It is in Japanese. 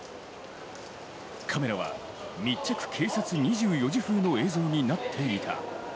カメラは、「密着警察２４時」風の映像になっていた。